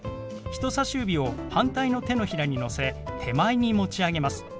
人さし指を反対の手のひらにのせ手前に持ち上げます。